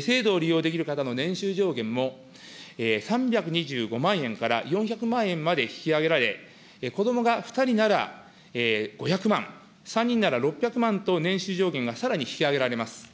制度を利用できる方の年収上限も３２５万円から４００万円まで引き上げられ、子どもが２人なら５００万、３人なら６００万と年収上限がさら引き上げられます。